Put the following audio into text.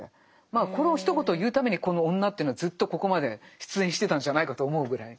まあこのひと言を言うためにこの女というのはずっとここまで出演してたんじゃないかと思うぐらい。